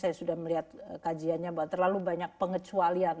saya sudah melihat kajiannya bahwa terlalu banyak pengecualian